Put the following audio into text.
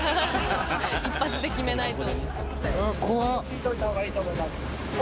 ハハハ一発で決めないと。